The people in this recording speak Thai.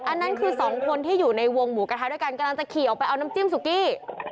อันนั้นคือสองคนที่อยู่ในวงหมูกระทะด้วยกันกำลังจะขี่ออกไปเอาน้ำจิ้มสุกี้